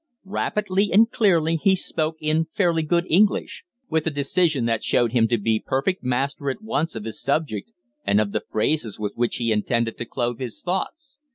Rapidly and clearly he spoke in fairly good English, with a decision that showed him to be perfect master at once of his subject and of the phrases with which he intended to clothe his thoughts.